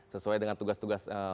sesuai dengan tugas tugas